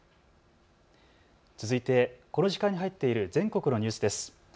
続いてこの時間に入っている全国のニュースです。